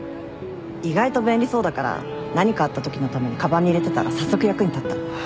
意外と便利そうだから何かあったときのためにかばんに入れてたら早速役に立った。